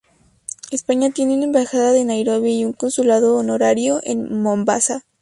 España tiene una embajada en Nairobi y un consulado honorario en Mombasa.